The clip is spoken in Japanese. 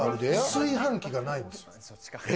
炊飯器がないんですよ。